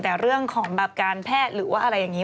แต่เรื่องของแบบการแพทย์หรือว่าอะไรอย่างนี้